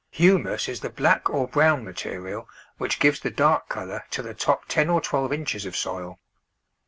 Humus is the black or brown material which gives the dark colour to the top ten or twelve inches of soil.